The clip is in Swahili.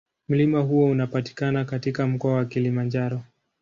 Mlima huo unapatikana katika Mkoa wa Kilimanjaro.